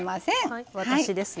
私ですね。